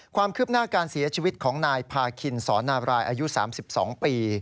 ความคืบหน้าการเสียชีวิตของนายพาคินสอนาบรายอายุ๓๒ปี